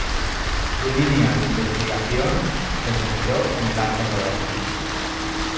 Su línea de investigación se centró en el arte moderno.